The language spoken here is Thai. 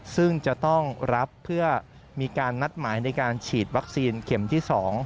ซึ่งจะต้องรับเพื่อมีการนัดหมายในการฉีดวัคซีนเข็มที่๒